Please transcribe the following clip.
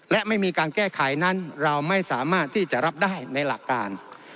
และไม่มีการแก้ไขนั้นเราไม่สามารถที่จะรับได้ในหลักการ